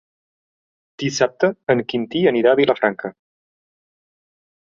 Dissabte en Quintí anirà a Vilafranca.